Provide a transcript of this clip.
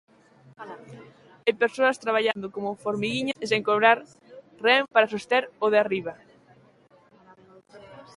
Hai persoas traballando como formiguiñas e sen cobrar ren para soster 'o de arriba'.